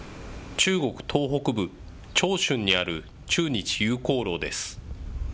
中国東北部、長春にある中日友好楼です。